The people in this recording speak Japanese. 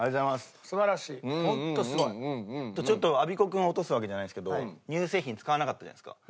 ちょっとアビコ君を落とすわけじゃないんですけど乳製品使わなかったじゃないですか。